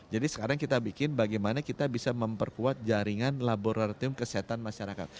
jadi sekarang kita bikin bagaimana kita bisa memperkuat jaringan laboratorium kesehatan masyarakat